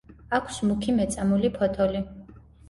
აქვს მუქი მეწამული ფოთოლი.